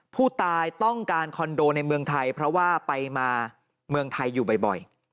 ผู้ตายต้องการคอนโดในเมืองไทยเพราะว่าไปมาเมืองไทยอยู่บ่อย